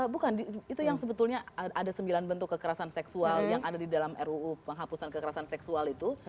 bukan itu yang sebetulnya ada sembilan bentuk kekerasan seksual yang ada di dalam ruu penghapusan kekerasan seksual itu